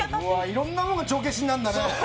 いろんなものが帳消しになるんだね。